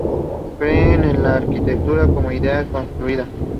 Cree en la Arquitectura como Idea Construida.